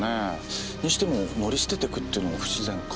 にしても乗り捨てていくってのは不自然か。